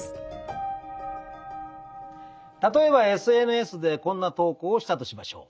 例えばＳＮＳでこんな投稿をしたとしましょう。